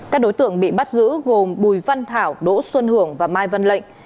các đối tượng bị bắt giữ gồm bùi văn thảo đỗ xuân hưởng và mai văn lệnh